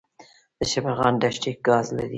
د شبرغان دښتې ګاز لري